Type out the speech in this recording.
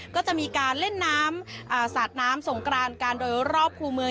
ก็จะมีการเล่นน้ำสาดน้ำสงกรานการโดยรอบคู่เมือง